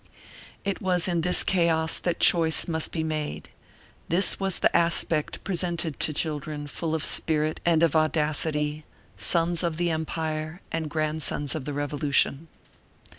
It was in this chaos that choice must be made; this was the aspect presented to children full of spirit and of audacity, sons of the Empire and grandsons of the Revolution.